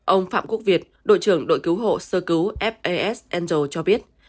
ông phạm quốc việt đội trưởng đội cứu hộ sơ cứu fas angel cho biết